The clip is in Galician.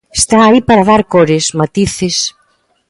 Está aí para dar cores, matices...